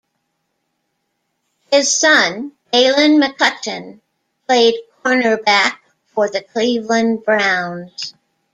His son Daylon McCutcheon played cornerback for the Cleveland Browns.